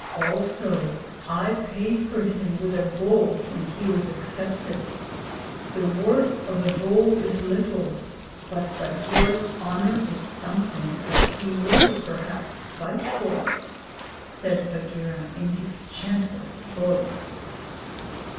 'Also, I paid for him with a Bull when he was accepted. The worth of a bull is little, but Bagheera's honour is something that he will perhaps fight for,' said Bagheera, in his gentlest voice.